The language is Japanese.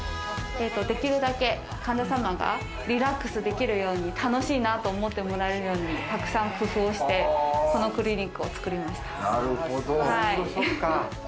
できるだけ患者様がリラックスできるように、楽しいなと思ってもらえるように、たくさん工夫して、このクリニックを作りました。